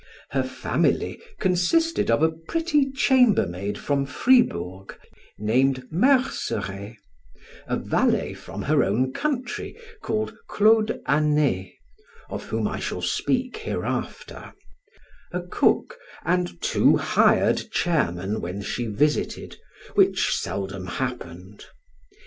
Her family consisted of a pretty chambermaid from Fribourg, named Merceret; a valet from her own country called Claude Anet (of whom I shall speak hereafter), a cook, and two hired chairmen when she visited, which seldom happened.